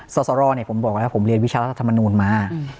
สอสรเนี่ยผมเรียนวิชารัฐมนูลมา